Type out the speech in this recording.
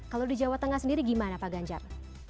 kalau di jawa tengah sendiri gimana pak ganjar